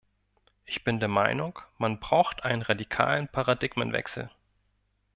Ich bin der Meinung, man braucht einen radikalen Paradigmenwechsel.